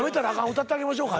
歌ってあげましょうか？